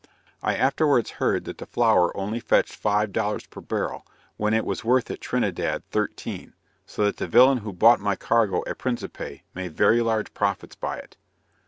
I afterwards heard that the flour only fetched five dollars per barrel, when it was worth at Trinidad thirteen; so that the villain who bought my cargo at Principe, made very large profits by it.